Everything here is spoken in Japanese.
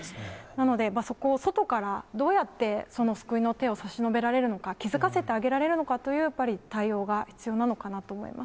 なので、そこを外からどうやって、その救いの手を差し伸べられるのか、気付かせてあげられるのかっていう対応が必要なのかなと思います。